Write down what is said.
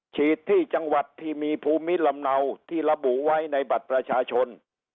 ฉีดที่จังหวัดที่มีภูมิลำเนาที่ระบุไว้ในบัตรประชาชน